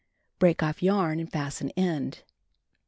Break off yarn and fasten end.